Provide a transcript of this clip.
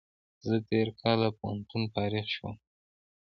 زه تېر کال له پوهنتون فارغ شوم